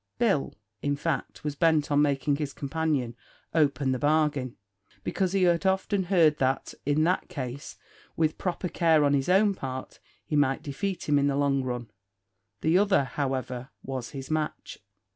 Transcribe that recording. Bill, in fact, was bent on making his companion open the bargain, because he had often heard that, in that case, with proper care on his own part, he might defeat him in the long run. The other, however, was his match.